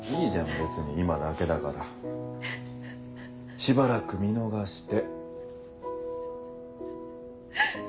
別に今だけだから。しばらく見逃して。